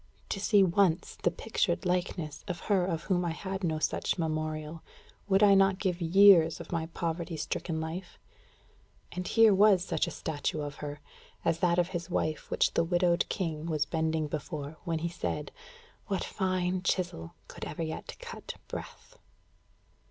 To see once the pictured likeness of her of whom I had no such memorial, would I not give years of my poverty stricken life? And here was such a statue of her, as that of his wife which the widowed king was bending before, when he said: "What fine chisel Could ever yet cut breath?"